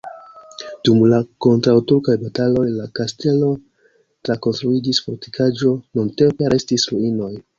Dum la kontraŭturkaj bataloj la kastelo trakonstruiĝis fortikaĵo, nuntempe restis ruinoj.